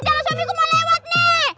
jalan suamiku mau lewat nek